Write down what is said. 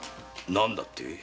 何だって？